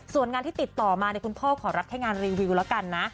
ส่วนงานที่ติดต่อมาคุณพ่อขอรับแค่งานรีวิวแล้วกันนะ